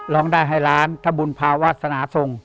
ร้องได้ให้หลานพระบุญพาวาสถ์สนาทรง